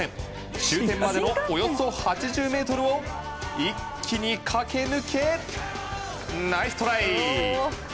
終点までのおよそ８０ｍを一気に駆け抜け、ナイストライ！